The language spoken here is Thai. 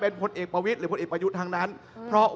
ผมก็จะยกมือให้พิธาริมเจริรัตน์เป็นนายโยคมันตรี